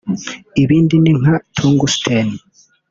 Ibindi ni nka tungsten